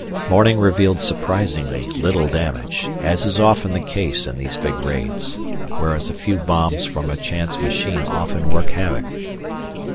Morning revealed surprisingly little damage, as is often the case in these big raids, whereas a few bombs from a chance machine often work havoc.